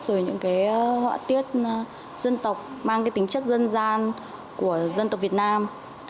rồi những cái họa tiết dân tộc mang cái tính chất dân gian của dân tộc việt nam